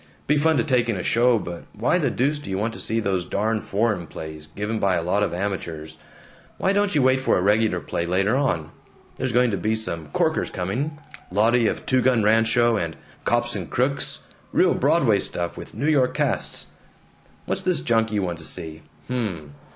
Be fun to take in a show, but why the deuce do you want to see those darn foreign plays, given by a lot of amateurs? Why don't you wait for a regular play, later on? There's going to be some corkers coming: 'Lottie of Two Gun Rancho,' and 'Cops and Crooks' real Broadway stuff, with the New York casts. What's this junk you want to see? Hm.